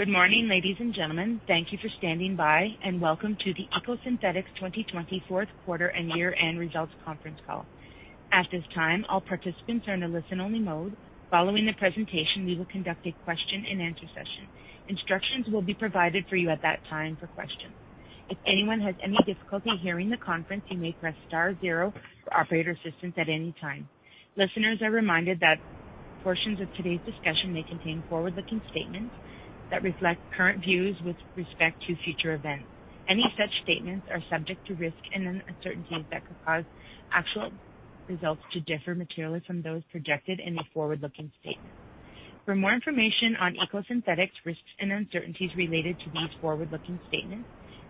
Good morning, ladies and gentlemen. Thank you for standing by, and welcome to the EcoSynthetix 2020 fourth quarter and year-end results conference call. At this time, all participants are in a listen-only mode. Following the presentation, we will conduct a question and answer session. Instructions will be provided for you at that time for questions. If anyone has any difficulty hearing the conference, you may press star zero for operator assistance at any time. Listeners are reminded that portions of today's discussion may contain forward-looking statements that reflect current views with respect to future events. Any such statements are subject to risks and uncertainties that could cause actual results to differ materially from those projected in the forward-looking statements. For more information on EcoSynthetix risks and uncertainties related to these forward-looking statements,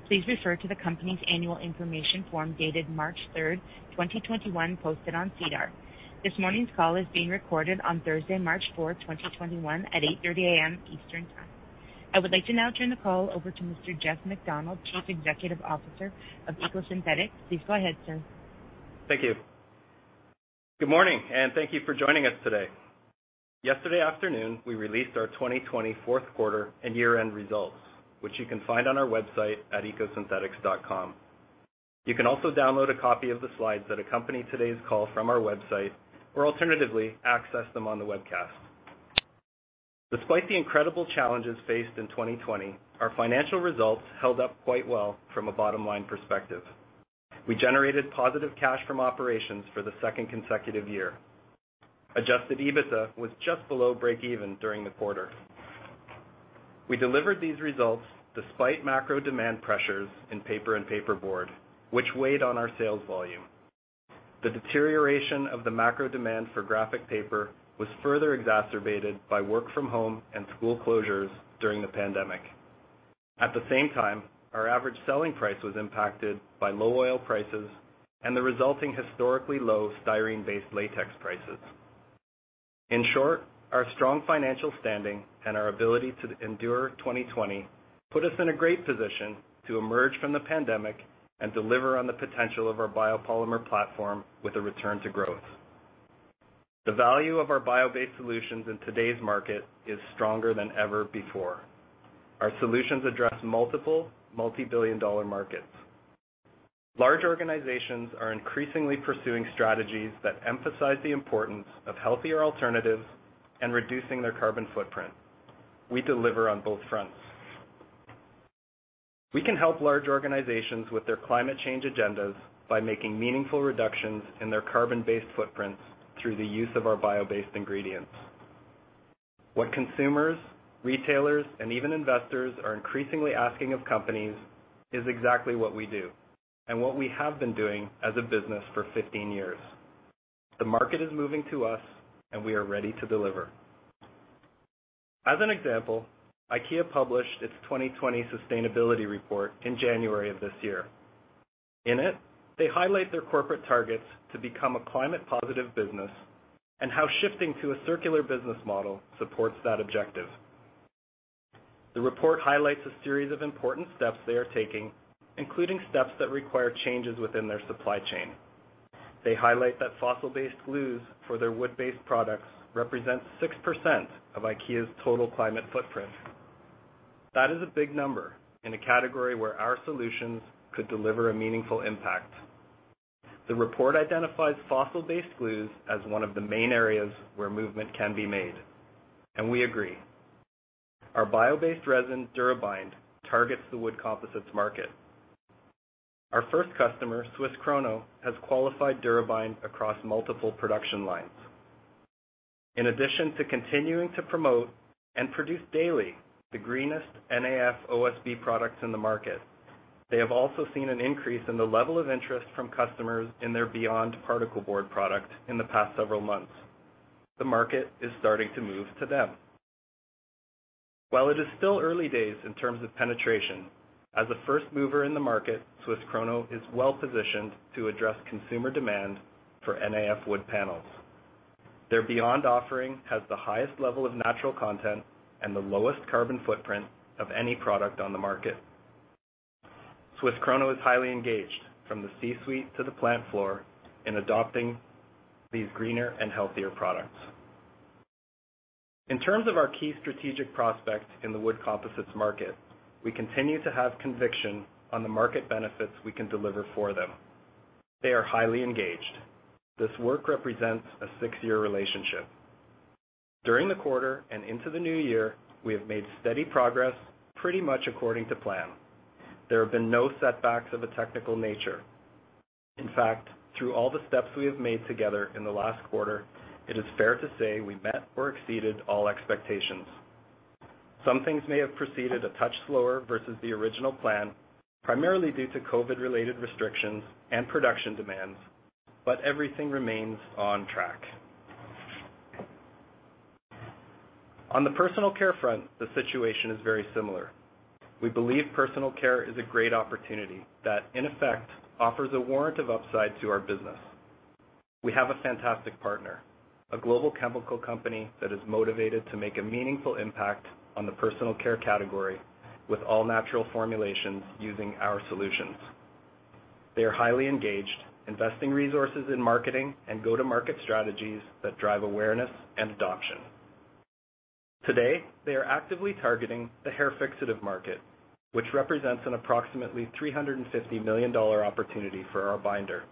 please refer to the company's annual information form dated March 3rd, 2021, posted on SEDAR. This morning's call is being recorded on Thursday, March 4th, 2021, at 8:30 A.M. Eastern Time. I would like to now turn the call over to Mr. Jeff MacDonald, Chief Executive Officer of EcoSynthetix. Please go ahead, sir. Thank you. Good morning, and thank you for joining us today. Yesterday afternoon, we released our 2020 fourth quarter and year-end results, which you can find on our website at ecosynthetix.com. You can also download a copy of the slides that accompany today's call from our website or alternatively access them on the webcast. Despite the incredible challenges faced in 2020, our financial results held up quite well from a bottom-line perspective. We generated positive cash from operations for the second consecutive year. Adjusted EBITDA was just below breakeven during the quarter. We delivered these results despite macro demand pressures in paper and paperboard, which weighed on our sales volume. The deterioration of the macro demand for graphic paper was further exacerbated by work from home and school closures during the pandemic. At the same time, our average selling price was impacted by low oil prices and the resulting historically low styrene-based latex prices. In short, our strong financial standing and our ability to endure 2020 put us in a great position to emerge from the pandemic and deliver on the potential of our biopolymer platform with a return to growth. The value of our bio-based solutions in today's market is stronger than ever before. Our solutions address multiple multi-billion dollar markets. Large organizations are increasingly pursuing strategies that emphasize the importance of healthier alternatives and reducing their carbon footprint. We deliver on both fronts. We can help large organizations with their climate change agendas by making meaningful reductions in their carbon-based footprints through the use of our bio-based ingredients. What consumers, retailers, and even investors are increasingly asking of companies is exactly what we do and what we have been doing as a business for 15 years. The market is moving to us, and we are ready to deliver. As an example, IKEA published its 2020 sustainability report in January of this year. In it, they highlight their corporate targets to become a climate positive business and how shifting to a circular business model supports that objective. The report highlights a series of important steps they are taking, including steps that require changes within their supply chain. They highlight that fossil based glues for their wood-based products represent 6% of IKEA's total climate footprint. That is a big number in a category where our solutions could deliver a meaningful impact. The report identifies fossil based glues as one of the main areas where movement can be made, and we agree. Our bio-based resin, DuraBind, targets the wood composites market. Our first customer, Swiss Krono, has qualified DuraBind across multiple production lines. In addition to continuing to promote and produce daily the greenest NAF OSB products in the market, they have also seen an increase in the level of interest from customers in their BE.YOND particleboard product in the past several months. The market is starting to move to them. While it is still early days in terms of penetration, as a first mover in the market, Swiss Krono is well positioned to address consumer demand for NAF wood panels. Their BE.YOND offering has the highest level of natural content and the lowest carbon footprint of any product on the market. Swiss Krono is highly engaged, from the C-suite to the plant floor, in adopting these greener and healthier products. In terms of our key strategic prospects in the wood composites market, we continue to have conviction on the market benefits we can deliver for them. They are highly engaged. This work represents a six-year relationship. During the quarter and into the new year, we have made steady progress pretty much according to plan. There have been no setbacks of a technical nature. In fact, through all the steps we have made together in the last quarter, it is fair to say we met or exceeded all expectations. Some things may have proceeded a touch slower versus the original plan, primarily due to COVID related restrictions and production demands, but everything remains on track. On the personal care front, the situation is very similar. We believe personal care is a great opportunity that, in effect, offers a warrant of upside to our business. We have a fantastic partner, a global chemical company that is motivated to make a meaningful impact on the personal care category with all-natural formulations using our solutions. They are highly engaged, investing resources in marketing and go-to-market strategies that drive awareness and adoption. Today, they are actively targeting the hair fixative market, which represents an approximately 350 million dollar opportunity for our binder,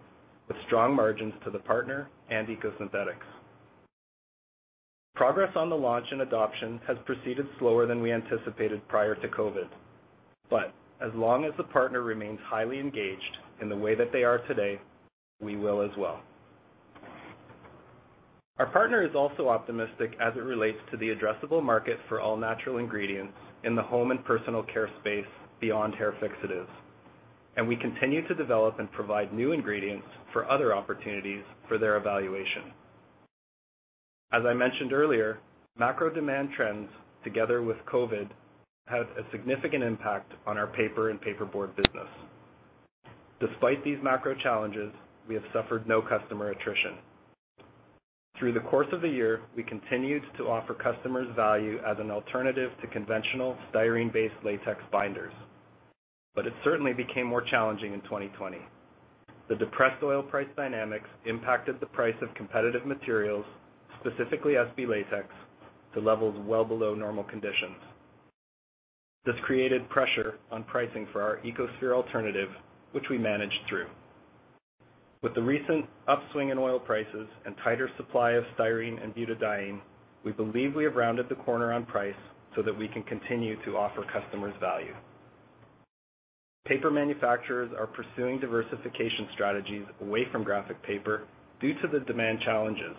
with strong margins to the partner and EcoSynthetix. Progress on the launch and adoption has proceeded slower than we anticipated prior to COVID-19, but as long as the partner remains highly engaged in the way that they are today, we will as well. Our partner is also optimistic as it relates to the addressable market for all-natural ingredients in the home and personal care space beyond hair fixatives, and we continue to develop and provide new ingredients for other opportunities for their evaluation. As I mentioned earlier, macro demand trends, together with COVID-19, had a significant impact on our paper and paperboard business. Despite these macro challenges, we have suffered no customer attrition. Through the course of the year, we continued to offer customers value as an alternative to conventional styrene-based latex binders, but it certainly became more challenging in 2020. The depressed oil price dynamics impacted the price of competitive materials, specifically SB latex, to levels well below normal conditions. This created pressure on pricing for our EcoSphere alternative, which we managed through. With the recent upswing in oil prices and tighter supply of styrene and butadiene, we believe we have rounded the corner on price so that we can continue to offer customers value. Paper manufacturers are pursuing diversification strategies away from graphic paper due to the demand challenges.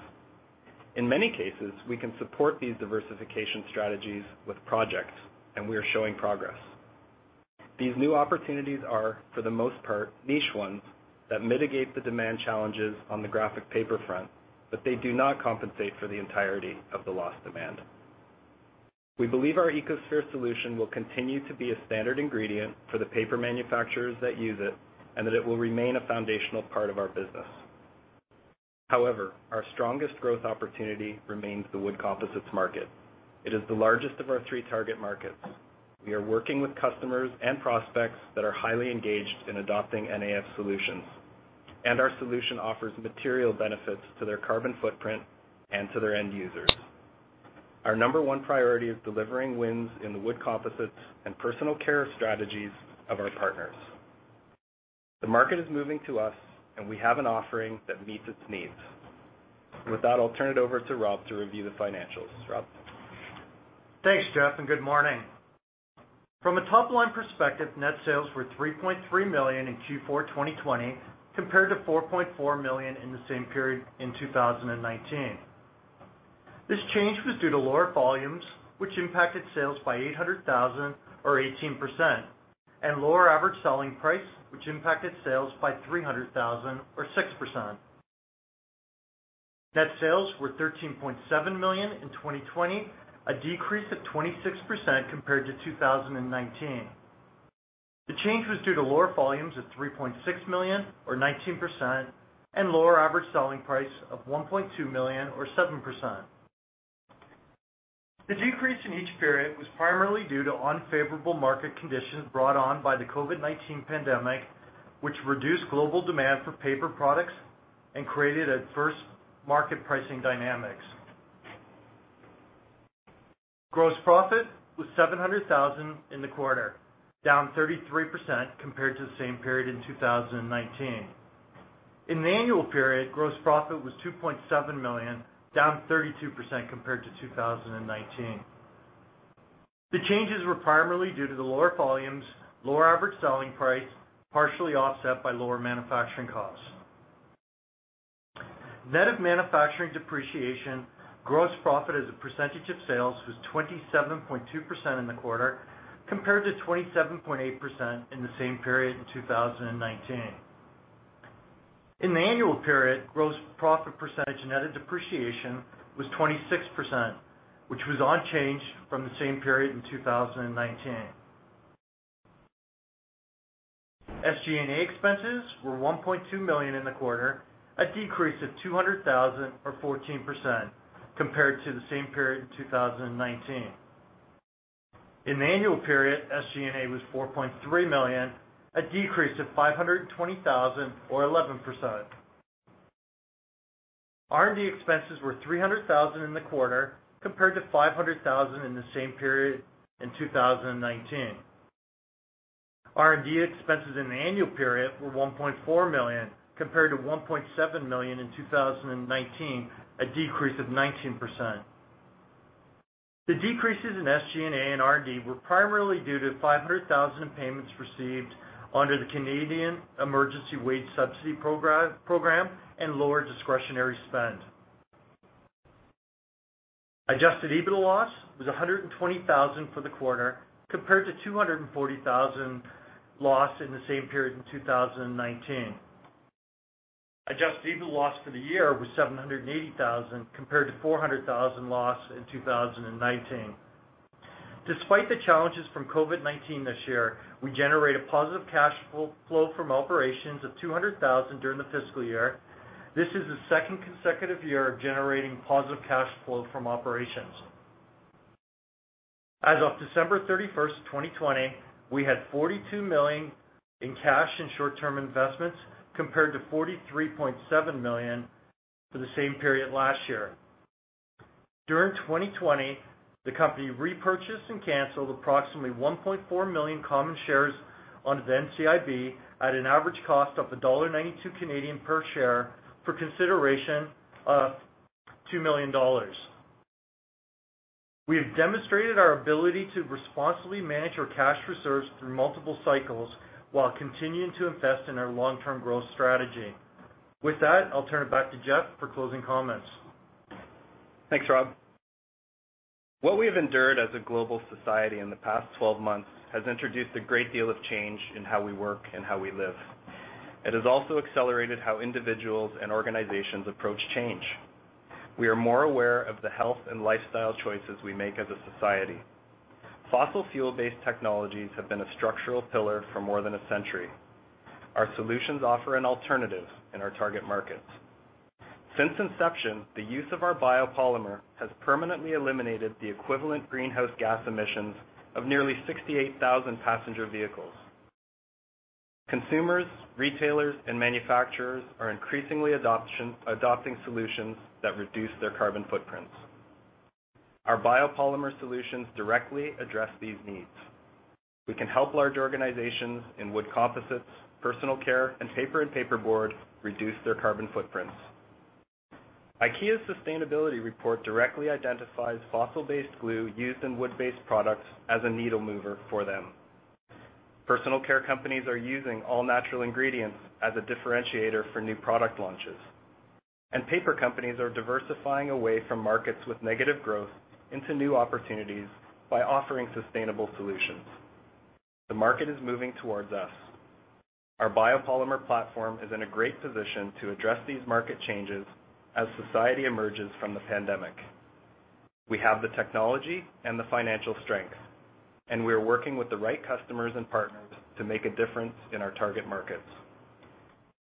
In many cases, we can support these diversification strategies with projects, and we are showing progress. These new opportunities are, for the most part, niche ones that mitigate the demand challenges on the graphic paper front, but they do not compensate for the entirety of the lost demand. We believe our EcoSphere solution will continue to be a standard ingredient for the paper manufacturers that use it, and that it will remain a foundational part of our business. However, our strongest growth opportunity remains the wood composites market. It is the largest of our three target markets. We are working with customers and prospects that are highly engaged in adopting NAF solutions. Our solution offers material benefits to their carbon footprint and to their end users. Our number one priority is delivering wins in the wood composites and personal care strategies of our partners. The market is moving to us, and we have an offering that meets its needs. With that, I'll turn it over to Rob to review the financials. Rob? Thanks, Jeff, and good morning. From a top-line perspective, net sales were 3.3 million in Q4 2020, compared to 4.4 million in the same period in 2019. This change was due to lower volumes, which impacted sales by 800,000 or 18%, and lower average selling price, which impacted sales by 300,000 or 6%. Net sales were 13.7 million in 2020, a decrease of 26% compared to 2019. The change was due to lower volumes of 3.6 million or 19%, and lower average selling price of 1.2 million or 7%. The decrease in each period was primarily due to unfavorable market conditions brought on by the COVID-19 pandemic, which reduced global demand for paper products and created adverse market pricing dynamics. Gross profit was 700,000 in the quarter, down 33% compared to the same period in 2019. In the annual period, gross profit was 2.7 million, down 32% compared to 2019. The changes were primarily due to the lower volumes, lower average selling price, partially offset by lower manufacturing costs. Net of manufacturing depreciation, gross profit as a percentage of sales was 27.2% in the quarter, compared to 27.8% in the same period in 2019. In the annual period, gross profit percentage net of depreciation was 26%, which was unchanged from the same period in 2019. SG&A expenses were 1.2 million in the quarter, a decrease of 200,000 or 14% compared to the same period in 2019. In the annual period, SG&A was 4.3 million, a decrease of 520,000 or 11%. R&D expenses were 300,000 in the quarter, compared to 500,000 in the same period in 2019. R&D expenses in the annual period were 1.4 million, compared to 1.7 million in 2019, a decrease of 19%. The decreases in SG&A and R&D were primarily due to 500,000 payments received under the Canadian Emergency Wage Subsidy program and lower discretionary spend. Adjusted EBITDA loss was 120,000 for the quarter, compared to 240,000 loss in the same period in 2019. Adjusted EBITDA loss for the year was 780,000, compared to 400,000 loss in 2019. Despite the challenges from COVID-19 this year, we generated positive cash flow from operations of 200,000 during the fiscal year. This is the second consecutive year of generating positive cash flow from operations. As of December 31st, 2020, we had 42 million in cash and short-term investments compared to 43.7 million for the same period last year. During 2020, the company repurchased and canceled approximately 1.4 million common shares under the NCIB at an average cost of 1.92 Canadian dollars per share for consideration of 2 million dollars. We have demonstrated our ability to responsibly manage our cash reserves through multiple cycles while continuing to invest in our long-term growth strategy. With that, I'll turn it back to Jeff MacDonald for closing comments. Thanks, Rob. What we've endured as a global society in the past 12 months has introduced a great deal of change in how we work and how we live. It has also accelerated how individuals and organizations approach change. We are more aware of the health and lifestyle choices we make as a society. Fossil fuel-based technologies have been a structural pillar for more than a century. Our solutions offer an alternative in our target markets. Since inception, the use of our biopolymer has permanently eliminated the equivalent greenhouse gas emissions of nearly 68,000 passenger vehicles. Consumers, retailers, and manufacturers are increasingly adopting solutions that reduce their carbon footprints. Our biopolymer solutions directly address these needs. We can help large organizations in wood composites, personal care, and paper and paperboard reduce their carbon footprints. IKEA's sustainability report directly identifies fossil-based glue used in wood-based products as a needle mover for them. Personal care companies are using all-natural ingredients as a differentiator for new product launches. Paper companies are diversifying away from markets with negative growth into new opportunities by offering sustainable solutions. The market is moving towards us. Our biopolymer platform is in a great position to address these market changes as society emerges from the pandemic. We have the technology and the financial strength, and we are working with the right customers and partners to make a difference in our target markets.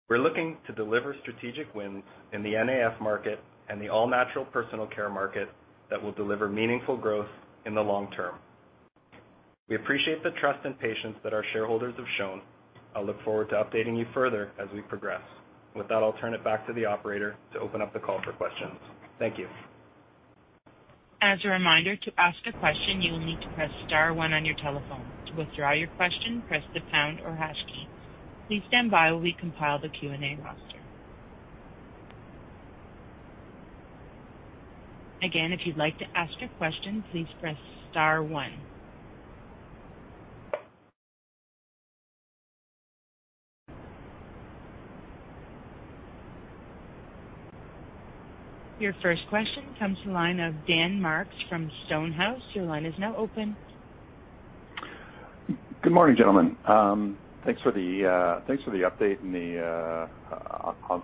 We're looking to deliver strategic wins in the NAF market and the all-natural personal care market that will deliver meaningful growth in the long term. We appreciate the trust and patience that our shareholders have shown. I'll look forward to updating you further as we progress. With that, I'll turn it back to the operator to open up the call for questions. Thank you. As a reminder to ask a question, you'll need to press star one on your telephone. To withdraw your question, press the pound or hash key. Please stand by as we compile the Q&A roster. Again if you'd like to ask a question, press star one. Your first question comes from the line of Daniel Marks from Stonehouse. Good morning, gentlemen. Thanks for the update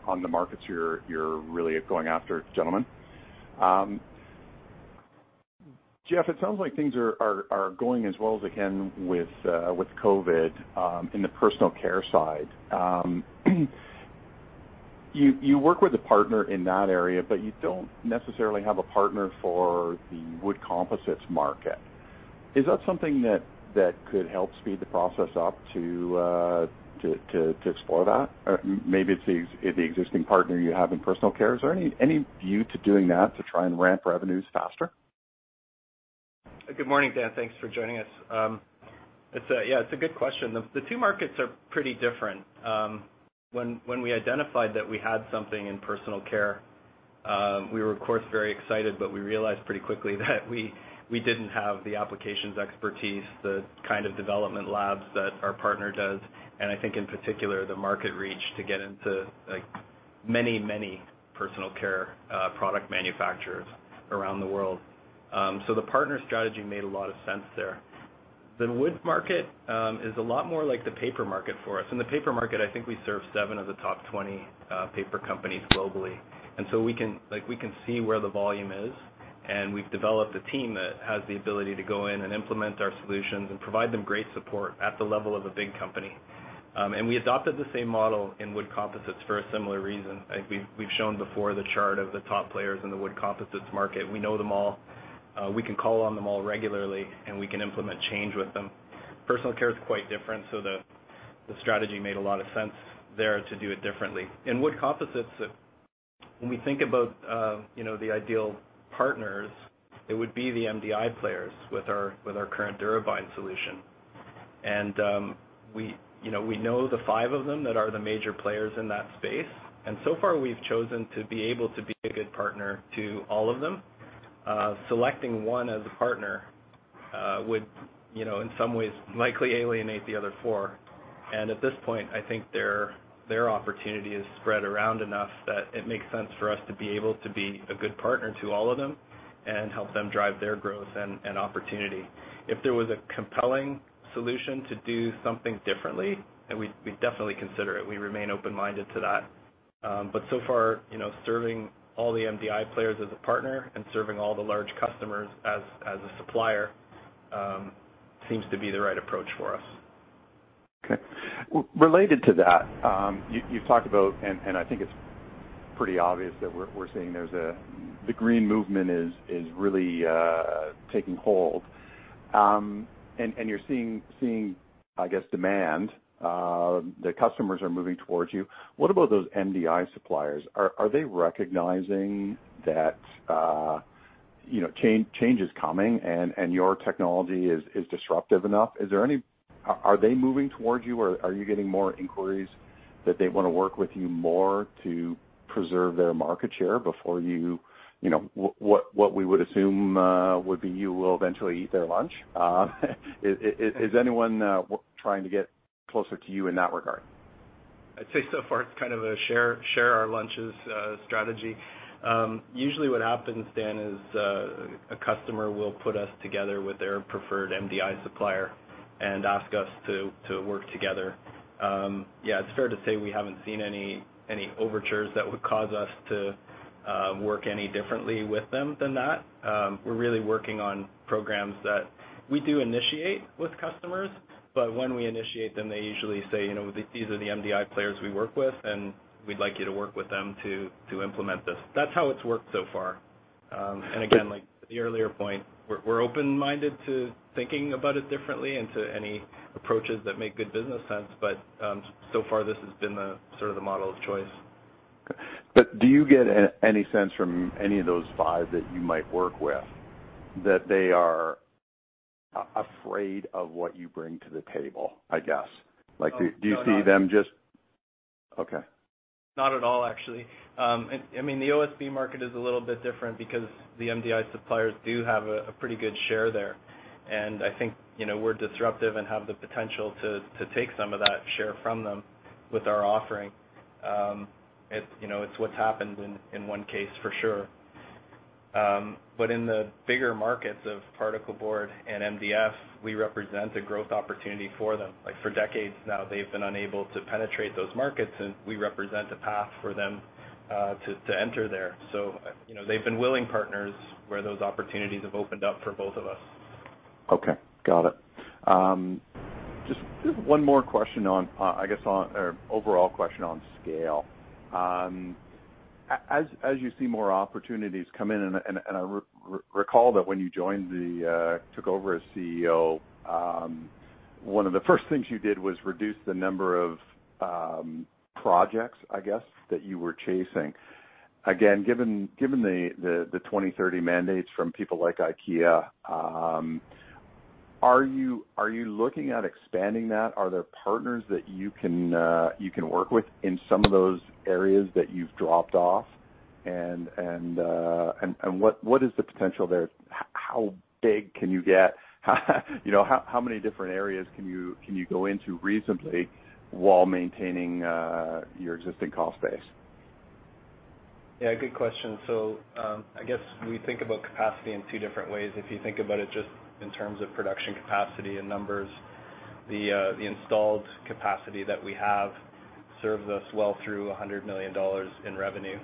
on the markets you're really going after, gentlemen. Jeff, it sounds like things are going as well as they can with COVID-19 in the personal care side. You work with a partner in that area, but you don't necessarily have a partner for the wood composites market. Is that something that could help speed the process up to explore that? Or maybe it's the existing partner you have in personal care. Is there any view to doing that to try and ramp revenues faster? Good morning, Daniel. Thanks for joining us. Yeah, it's a good question. The two markets are pretty different. When we identified that we had something in personal care, we were of course very excited, but we realized pretty quickly that we didn't have the applications expertise, the kind of development labs that our partner does, and I think in particular, the market reach to get into many personal care product manufacturers around the world. The partner strategy made a lot of sense there. The wood market is a lot more like the paper market for us. In the paper market, I think we serve seven of the top 20 paper companies globally. We can see where the volume is, and we've developed a team that has the ability to go in and implement our solutions and provide them great support at the level of a big company. We adopted the same model in wood composites for a similar reason. I think we've shown before the chart of the top players in the wood composites market. We know them all. We can call on them all regularly, and we can implement change with them. Personal care is quite different, so the strategy made a lot of sense there to do it differently. In wood composites, when we think about the ideal partners, it would be the MDI players with our current DuraBind solution. We know the five of them that are the major players in that space. So far, we've chosen to be able to be a good partner to all of them. Selecting one as a partner would, in some ways, likely alienate the other four. At this point, I think their opportunity is spread around enough that it makes sense for us to be able to be a good partner to all of them and help them drive their growth and opportunity. If there was a compelling solution to do something differently, then we'd definitely consider it. We remain open-minded to that. So far, serving all the MDI players as a partner and serving all the large customers as a supplier seems to be the right approach for us. Okay. Related to that, you've talked about, and I think it's pretty obvious that we're seeing the green movement is really taking hold. You're seeing demand. The customers are moving towards you. What about those MDI suppliers? Are they recognizing that change is coming and your technology is disruptive enough? Are they moving towards you, or are you getting more inquiries that they want to work with you more to preserve their market share before what we would assume would be you will eventually eat their lunch? Is anyone trying to get closer to you in that regard? I'd say so far it's kind of a share our lunches strategy. Usually what happens, Daniel, is a customer will put us together with their preferred MDI supplier and ask us to work together. Yeah, it's fair to say we haven't seen any overtures that would cause us to work any differently with them than that. We're really working on programs that we do initiate with customers, but when we initiate them, they usually say, "These are the MDI players we work with, and we'd like you to work with them to implement this." That's how it's worked so far. Again, like the earlier point, we're open-minded to thinking about it differently and to any approaches that make good business sense. So far, this has been the model of choice. Okay. Do you get any sense from any of those five that you might work with, that they are afraid of what you bring to the table, I guess? Oh, no, not at all. Do you see them? Okay. Not at all, actually. The OSB market is a little bit different because the MDI suppliers do have a pretty good share there, and I think we're disruptive and have the potential to take some of that share from them with our offering. It's what's happened in one case, for sure. In the bigger markets of particleboard and MDF, we represent a growth opportunity for them. For decades now, they've been unable to penetrate those markets, and we represent a path for them to enter there. They've been willing partners where those opportunities have opened up for both of us. Okay, got it. Just one more question on, I guess, or overall question on scale. As you see more opportunities come in, and I recall that when you took over as CEO, one of the first things you did was reduce the number of projects, I guess, that you were chasing. Again, given the 2030 mandates from people like IKEA, are you looking at expanding that? Are there partners that you can work with in some of those areas that you've dropped off, and what is the potential there? How big can you get? How many different areas can you go into reasonably while maintaining your existing cost base? Yeah, good question. I guess we think about capacity in two different ways. If you think about it just in terms of production capacity and numbers, the installed capacity that we have serves us well through 100 million dollars in revenue,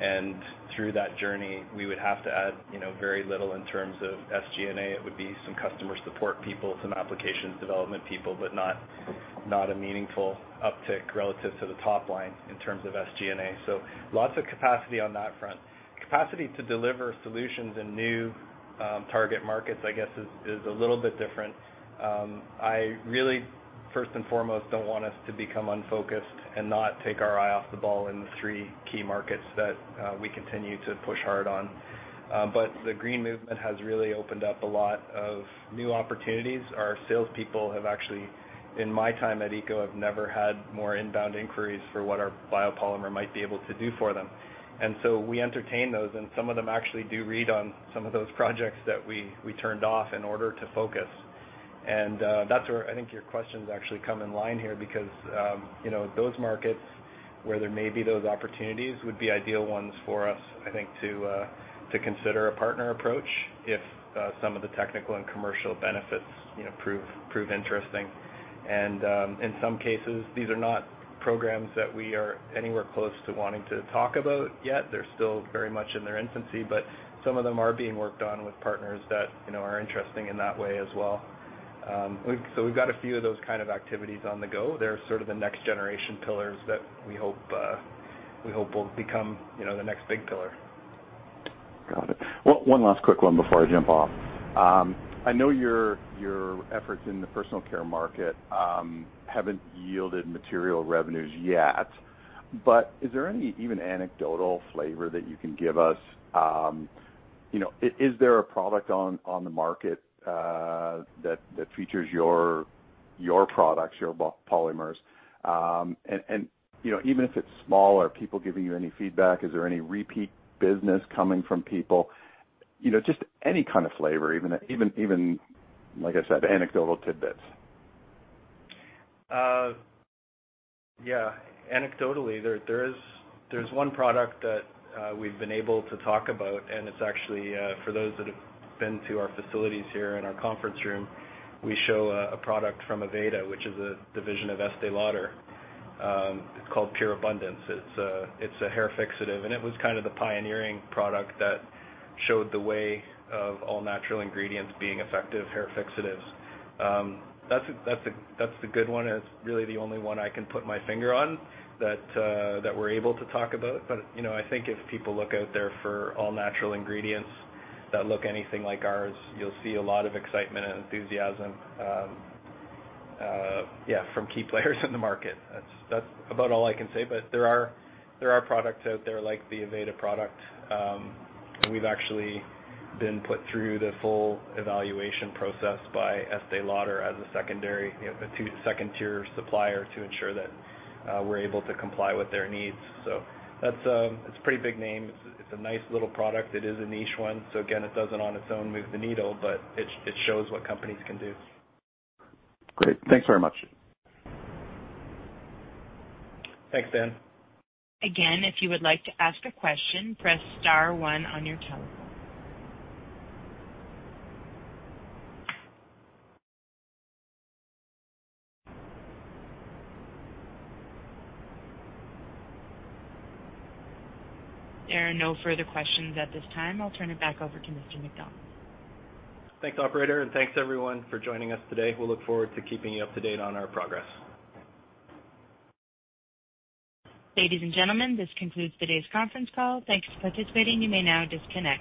and through that journey, we would have to add very little in terms of SG&A. It would be some customer support people, some applications development people, but not a meaningful uptick relative to the top line in terms of SG&A. Lots of capacity on that front. Capacity to deliver solutions in new target markets, I guess, is a little bit different. I really, first and foremost, don't want us to become unfocused and not take our eye off the ball in the three key markets that we continue to push hard on. The green movement has really opened up a lot of new opportunities. Our salespeople have actually, in my time at EcoSynthetix, have never had more inbound inquiries for what our biopolymer might be able to do for them. So we entertain those, and some of them actually do read on some of those projects that we turned off in order to focus. That's where I think your questions actually come in line here, because those markets where there may be those opportunities would be ideal ones for us, I think, to consider a partner approach if some of the technical and commercial benefits prove interesting. In some cases, these are not programs that we are anywhere close to wanting to talk about yet. They're still very much in their infancy, some of them are being worked on with partners that are interesting in that way as well. We've got a few of those kind of activities on the go. They're sort of the next generation pillars that we hope will become the next big pillar. Got it. One last quick one before I jump off. I know your efforts in the personal care market haven't yielded material revenues yet, but is there any even anecdotal flavor that you can give us? Is there a product on the market that features your products, your polymers? Even if it's small, are people giving you any feedback? Is there any repeat business coming from people? Just any kind of flavor, even, like I said, anecdotal tidbits. Yeah. Anecdotally, there's one product that we've been able to talk about, and it's actually for those that have been to our facilities here in our conference room, we show a product from Aveda, which is a division of Estée Lauder. It's called Pure Abundance. It's a hair fixative, and it was kind of the pioneering product that showed the way of all-natural ingredients being effective hair fixatives. That's the good one, and it's really the only one I can put my finger on that we're able to talk about. I think if people look out there for all-natural ingredients that look anything like ours, you'll see a lot of excitement and enthusiasm, yeah, from key players in the market. That's about all I can say. There are products out there like the Aveda product, and we've actually been put through the full evaluation process by Estée Lauder as a second-tier supplier to ensure that we're able to comply with their needs. It's a pretty big name. It's a nice little product. It is a niche one. Again, it doesn't on its own move the needle, but it shows what companies can do. Great. Thanks very much. Thanks, Daniel. Again, if you would like to ask a question, press star one on your telephone. There are no further questions at this time. I'll turn it back over to Mr. Jeff MacDonald. Thanks, operator. Thanks everyone for joining us today. We'll look forward to keeping you up to date on our progress. Ladies and gentlemen, this concludes today's conference call. Thanks for participating. You may now disconnect.